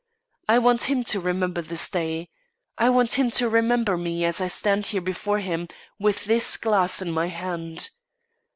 I want him to remember this day. I want him to remember me as I stand here before him with this glass in my hand.